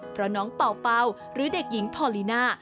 เพราะน้องเป่าเป่าหรือเด็กหญิงพอลีน่า